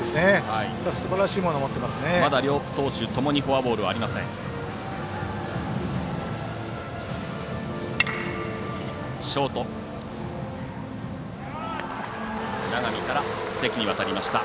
まだ両投手ともにフォアボールはありません。